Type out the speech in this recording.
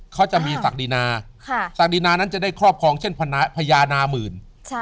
เขาจะมีศักดินาศักดินานั้นจะได้ครอบครองเช่นพญานาคาหมื่น